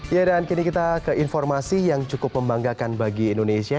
ya dan kini kita ke informasi yang cukup membanggakan bagi indonesia